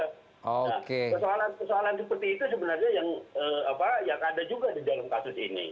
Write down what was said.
nah persoalan persoalan seperti itu sebenarnya yang ada juga di dalam kasus ini